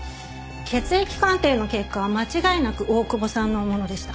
血液鑑定の結果間違いなく大久保さんのものでした。